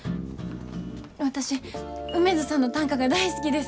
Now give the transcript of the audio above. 私梅津さんの短歌が大好きです。